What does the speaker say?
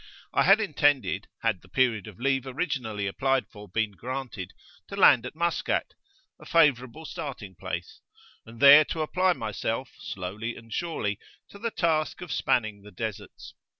I had intended, had the period of leave originally applied for been granted, to land at Maskat a favourable starting place and there to apply myself, slowly and surely, to the task of spanning the deserts.